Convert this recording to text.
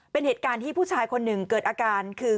เป็นเหตุการณ์ที่ผู้ชายคนหนึ่งเกิดอาการคือ